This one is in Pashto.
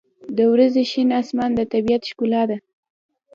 • د ورځې شین آسمان د طبیعت ښکلا ده.